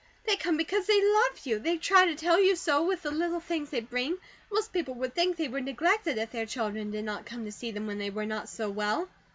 "They come because they LOVE you. They try to tell you so with the little things they bring. Most people would think they were neglected, if their children did NOT come to see them when they were not so well."